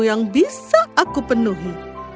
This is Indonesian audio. yang bisa aku penuhi